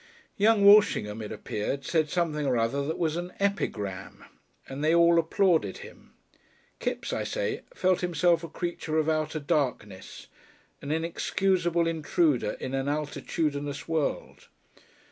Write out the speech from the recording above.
Young Walshingham, it appeared, said something or other that was an "epigram," and they all applauded him. Kipps, I say, felt himself a creature of outer darkness, an inexcusable intruder in an altitudinous world.